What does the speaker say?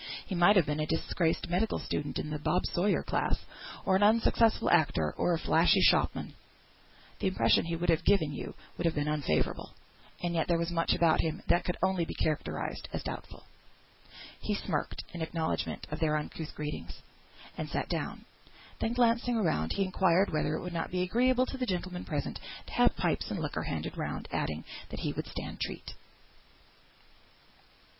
He might have been a disgraced medical student of the Bob Sawyer class, or an unsuccessful actor, or a flashy shopman. The impression he would have given you would have been unfavourable, and yet there was much about him that could only be characterised as doubtful. He smirked in acknowledgment of their uncouth greetings, and sat down; then glancing round, he inquired whether it would not be agreeable to the gentlemen present to have pipes and liquor handed round; adding, that he would stand treat.